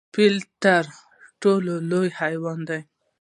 فیل تر ټولو لوی حیوان دی؟